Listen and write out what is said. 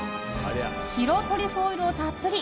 白トリュフオイルをたっぷり。